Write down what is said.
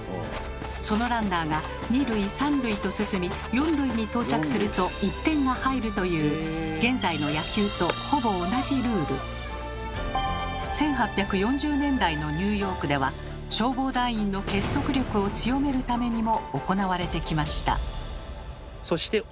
そのランナーが２塁３塁と進み４塁に到着すると１点が入るという１８４０年代のニューヨークでは消防団員の結束力を強めるためにも行われてきました。